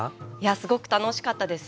すごく楽しかったですね。